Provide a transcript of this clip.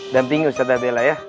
dan tinggi ustaz dabela ya